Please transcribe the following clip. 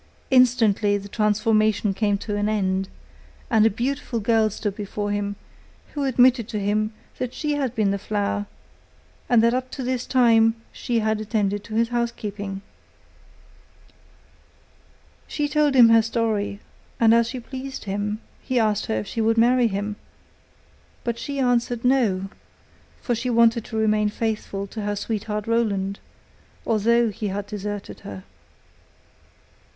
Instantly the transformation came to an end, and a beautiful girl stood before him, who admitted to him that she had been the flower, and that up to this time she had attended to his house keeping. She told him her story, and as she pleased him he asked her if she would marry him, but she answered: 'No,' for she wanted to remain faithful to her sweetheart Roland, although he had deserted her.